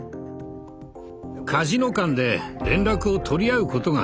カジノ間で連絡を取り合うことがなかったんだ。